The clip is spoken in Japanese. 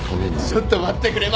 ちょっと待ってくれ。